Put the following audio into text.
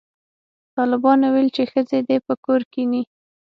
طالبانو ویل چې ښځې دې په کور کښېني